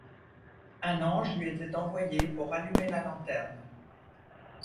Un ange lui était envoyé pour rallumer la lanterne.